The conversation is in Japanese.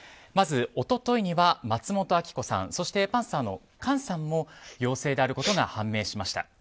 まず一昨日には松本明子さんそしてパンサーの菅さんも陽性であることが判明しました。